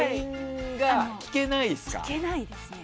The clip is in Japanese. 聞けないですね。